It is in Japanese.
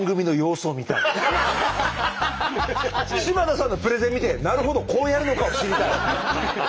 柴田さんのプレゼン見て「なるほど！こうやるのか」を知りたい。